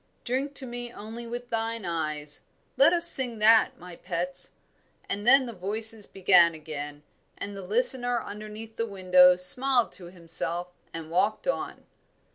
'Drink to me only with thine eyes' let us sing that, my pets." And then the voices began again, and the listener underneath the window smiled to himself and walked on.